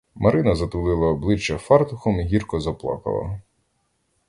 Марина затулила обличчя фартухом і гірко заплакала.